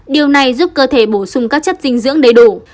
điều này giúp cơ thể bổ sung các chất dinh dưỡng đầy đủ